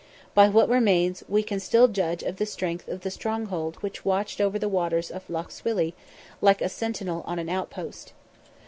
By what remains we can still judge of the strength of the stronghold which watched over the waters of Lough Swilly like a sentinel on an outpost.